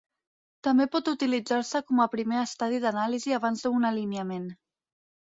També pot utilitzar-se com a primer estadi d'anàlisi abans d'un alineament.